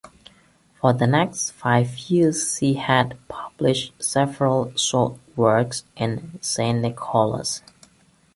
For the next five years she had published several short works in "Saint Nicholas".